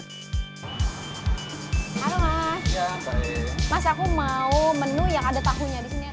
halo mas mas aku mau menu yang ada tahunya disini